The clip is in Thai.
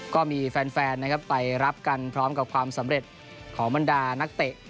ก็มีแฟนนะครับไปรับกันพร้อมกับความสำเร็จของบรรดานักเตะ